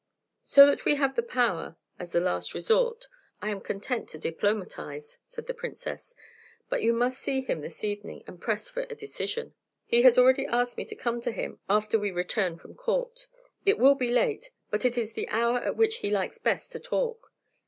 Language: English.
"So that we have the power, as a last resource, I am content to diplomatize," said the Princess; "but you must see him this evening, and press for a decision." "He has already asked me to come to him after we return from Court. It will be late, but it is the hour at which he likes best to talk.